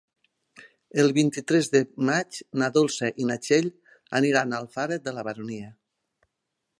El vint-i-tres de maig na Dolça i na Txell aniran a Alfara de la Baronia.